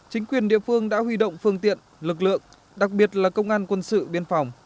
chính quyền địa phương đã huy động phương tiện lực lượng đặc biệt là công an quân sự biên phòng